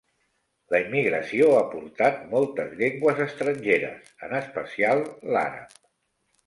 La immigració ha portat moltes llengües estrangeres, en especial l'àrab.